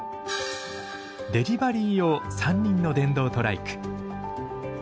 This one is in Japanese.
デリバリー用３輪の電動トライク。